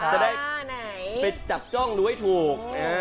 จะได้ไปจับจ้องดูให้ถูก